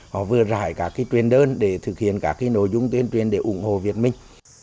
họ vừa rải cả cái truyền đơn để thực hiện cả cái nội dung tuyên truyền để ủng hộ việt minh